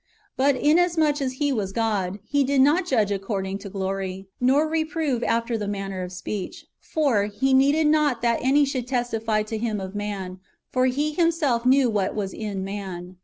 But inasmuch as He was God, He did not judge according to glory, nor reprove after the manner of speech. For " He needed not that any should testify to Him of man,* for He Himself knew what was in man."